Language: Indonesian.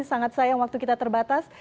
sangat sayang waktu kita terbatas